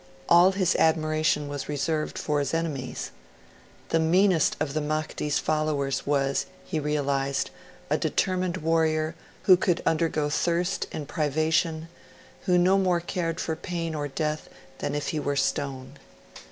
All his admiration was reserved for his enemies. The meanest of the Mahdi's followers was, he realised, 'a determined warrior, who could undergo thirst and privation, who no more cared for pain or death than if he were stone'.